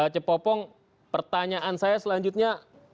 cepopong pertanyaan saya selanjutnya